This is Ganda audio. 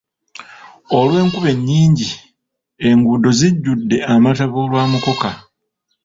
Olw'enkuba ennyingi, enguudo zijjudde amataba olwa mukoka.